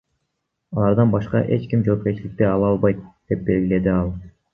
Алардан башка эч ким жоопкерчилик ала албайт, — деп белгиледи ал.